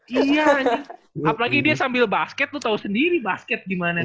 iya anjing apalagi dia sambil basket lu tau sendiri basket gimana kan